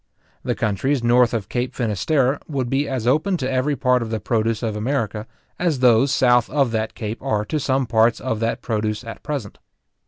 The countries north of Cape Finisterre would be as open to every part of the produce of America, as those south of that cape are to some parts of that produce at present.